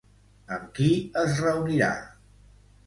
Amb qui es reunirà?